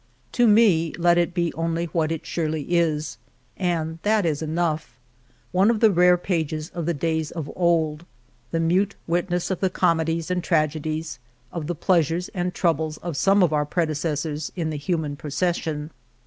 To me let it be only what it surely is, and that is enough — one of the rare pages of the days of old, the mute witness of the comedies and tragedies, of the pleasures and troubles of some of our predecessors in the human procession.